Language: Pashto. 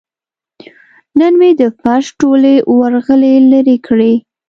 نن مې د فرش ټولې ورغلې لرې کړې.